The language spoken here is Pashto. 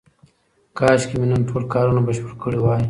کاشکې مې نن ټول کارونه بشپړ کړي وای.